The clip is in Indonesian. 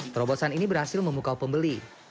terobosan ini berhasil memukau pembeli